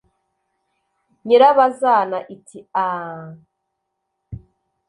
Nyirabazana iti aaa